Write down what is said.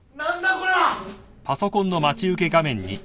これは！